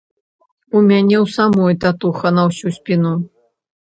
У мяне ў самой татуха на ўсю спіну.